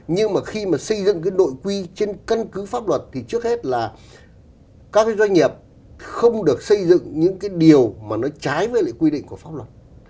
nhưng mà khi mà xây dựng cái nội quy trên cân cứ pháp luật thì trước hết là các cái doanh nghiệp không được xây dựng những cái điều mà nó trái với lại quy định của pháp luật